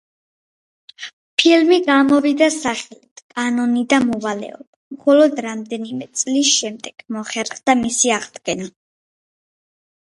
ფილმი გამოვიდა სახელით „კანონი და მოვალეობა“, მხოლოდ რამდენიმე წლის შემდეგ მოხერხდა მისი აღდგენა.